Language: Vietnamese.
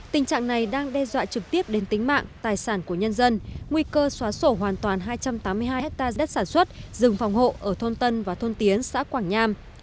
tình trạng này đang đe dọa trực tiếp đến tính mạng tài sản của nhân dân nguy cơ xóa sổ hoàn toàn hai trăm tám mươi hai hectare đất sản xuất rừng phòng hộ ở thôn tân và thôn tiến xã quảng nham